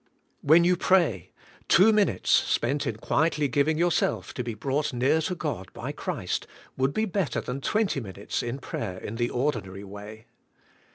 When you pray, two min utes spent in quietly giving" yourself to be brought near to God by Christ would be better than twenty minutes in prayer in the ordinary way.